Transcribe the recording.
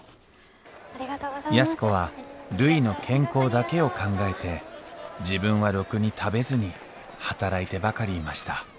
安子はるいの健康だけを考えて自分はろくに食べずに働いてばかりいました・